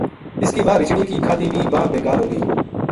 اس کی واہ رچھنی کی کھادی وی بانہہ بے کار ہو گئی